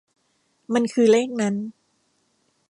มันคือเลขนั้น